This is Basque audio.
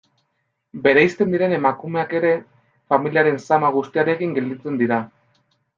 Bereizten diren emakumeak ere, familiaren zama guztiarekin gelditzen dira.